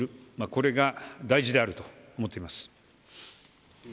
これが大事であると思っています。